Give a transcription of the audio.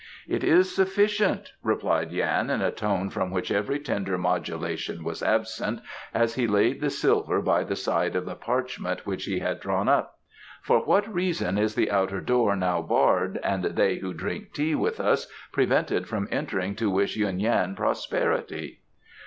"It is sufficient," replied Yan in a tone from which every tender modulation was absent, as he laid the silver by the side of the parchment which he had drawn up. "For what reason is the outer door now barred and they who drink tea with us prevented from entering to wish Yuen Yan prosperity?"